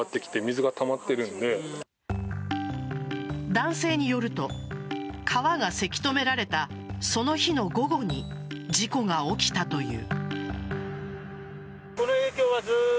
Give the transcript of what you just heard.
男性によると川がせき止められたその日の午後に事故が起きたという。